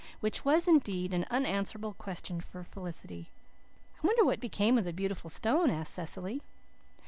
Which was, indeed, an unanswerable question for Felicity. "I wonder what became of the beautiful stone?" said Cecily.